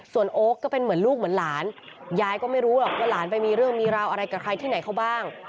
ส่วนโอ๊คก็เป็นเหมือนลูกเหมือนหลานยายก็ไม่รู้หรอกว่าหลานไปมีเรื่องมีราวอะไรกับใครที่ไหนเขาบ้าง